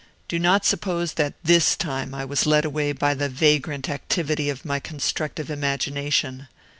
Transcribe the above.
Do not suppose that THIS time I was led away by the vagrant activity of my constructive imagination.